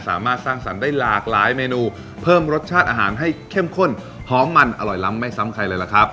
สร้างสรรค์ได้หลากหลายเมนูเพิ่มรสชาติอาหารให้เข้มข้นหอมมันอร่อยล้ำไม่ซ้ำใครเลยล่ะครับ